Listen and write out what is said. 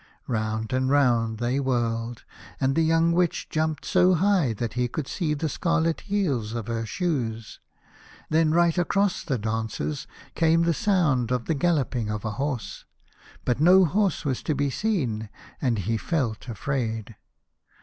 Round and round they whirled, and the young Witch jumped so high that he could see the scarlet heels of her shoes. Then right across the dancers came the sound of the galloping of a horse, but no horse was to be seen, and he felt afraid.